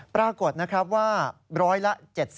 ปรากฏนะครับว่าร้อยละ๗๐